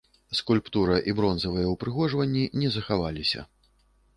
Скульптура і бронзавыя ўпрыгожванні не захаваліся.